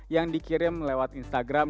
yang dikirim lewat instagram